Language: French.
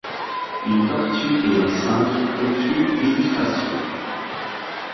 Une tortue et un singe ponctuent l'ilustration.